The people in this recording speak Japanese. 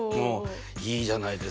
いいじゃないですか。